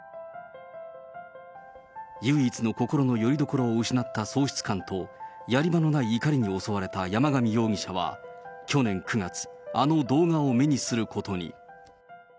唯一の心のよりどころを失った喪失感と、やり場のない怒りに襲われた山上容疑者は、去年９月、あの動画を目にすることに。